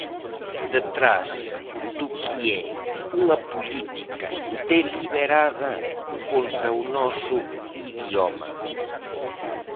Detrás do que é unha política deliberada contra o noso idioma.